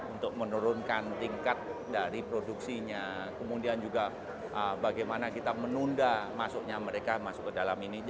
untuk menurunkan tingkat dari produksinya kemudian juga bagaimana kita menunda masuknya mereka masuk ke dalam ini